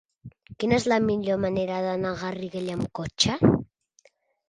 Quina és la millor manera d'anar a Garriguella amb cotxe?